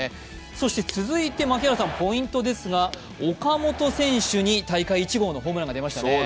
そして続いて槙原さん、ポイントですが岡本選手に大会１号のホームランが出ましたね。